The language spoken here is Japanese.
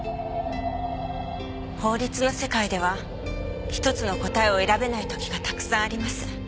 法律の世界では一つの答えを選べない時がたくさんあります。